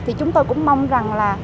thì chúng tôi cũng mong rằng là